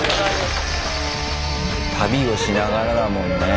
旅をしながらだもんね。